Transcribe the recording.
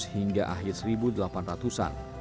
seribu tujuh ratus hingga akhir seribu delapan ratus an